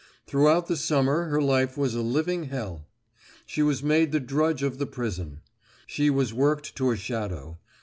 Throughout the summer her life was a living hell. She was made the drudge of the prison. She was worked to a shadow.